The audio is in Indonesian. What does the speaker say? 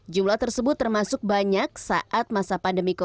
jumlah tersebut termasuk banyak saat masa pandemi